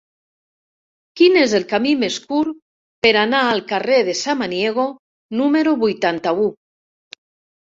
Quin és el camí més curt per anar al carrer de Samaniego número vuitanta-u?